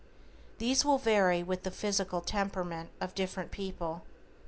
These will vary with the physical temperament of different people.